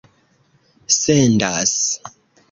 sendas